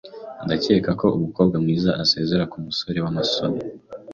Ndakeka ko umukobwa mwiza azasezera kumusore wamasoni.